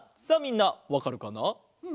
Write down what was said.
さあみんなわかるかな？